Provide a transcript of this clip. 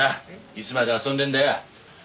いつまで遊んでんだよ。